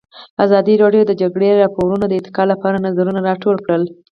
ازادي راډیو د د جګړې راپورونه د ارتقا لپاره نظرونه راټول کړي.